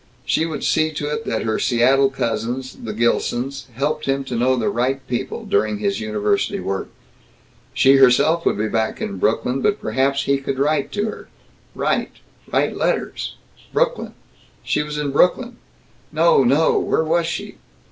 She would see to it that her Seattle cousins, the Gilsons, helped him to know the right people, during his university work. She herself would be back in Brooklyn, but perhaps he would write to her, write write letters Brooklyn she was in Brooklyn no, no, where was she?